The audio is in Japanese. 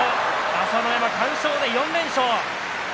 朝乃山、完勝です、４連勝。